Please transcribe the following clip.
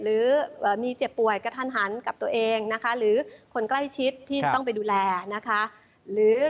หรือมีเจ็บป่วยกระทันหันกับตัวเองนะคะหรือคนใกล้ชิดที่ต้องไปดูแลนะคะ